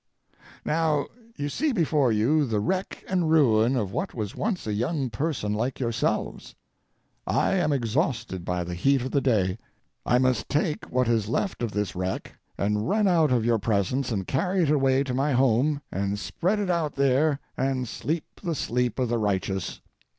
Now, you see before you the wreck and ruin of what was once a young person like yourselves. I am exhausted by the heat of the day. I must take what is left of this wreck and run out of your presence and carry it away to my home and spread it out there and sleep the sleep of the righteous.